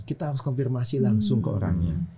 kita harus konfirmasi langsung ke orangnya